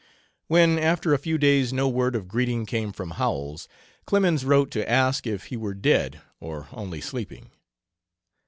When, after a few days no word of greeting came from Howells, Clemens wrote to ask if he were dead or only sleeping.